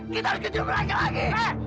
kita harus kejar mereka lagi